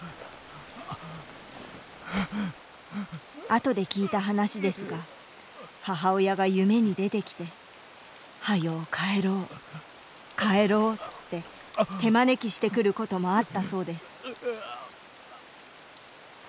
後で聞いた話ですが母親が夢に出てきて「はよう帰ろう帰ろう」って手招きしてくることもあったそうです